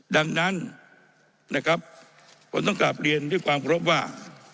ดังนั้นผมต้องกลับเรียนด้วยความครบว่า